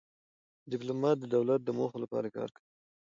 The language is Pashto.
ډيپلومات د دولت د موخو لپاره کار کوي.